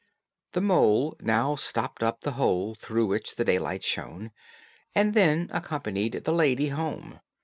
The mole now stopped up the hole through which the daylight shone, and then accompanied the lady home.